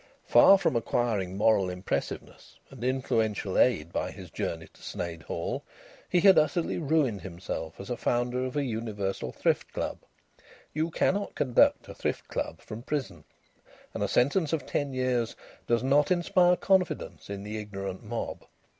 Far from acquiring moral impressiveness and influential aid by his journey to Sneyd Hall, he had utterly ruined himself as a founder of a Universal Thrift Club. You cannot conduct a thrift club from prison, and a sentence of ten years does not inspire confidence in the ignorant mob.